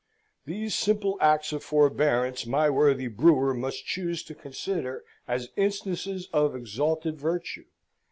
These simple acts of forbearance my worthy brewer must choose to consider as instances of exalted virtue.